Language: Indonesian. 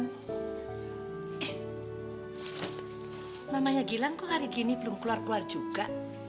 namanya gilang kok hari gini belum keluar keluar juga